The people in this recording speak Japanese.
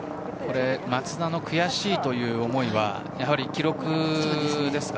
松田の悔しい思いというのは記録ですか。